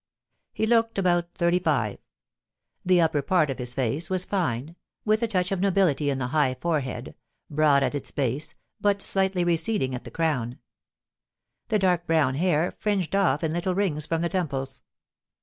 He looked about thirty five. The upper part of his face was fine, with a touch of nobility in the high forehead, broad at its base, but slightly receding at the crown. The dark brown hair fringed off in little rings from the temples.